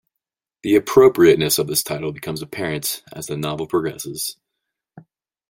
The appropriateness of this title becomes apparent as the novel progresses.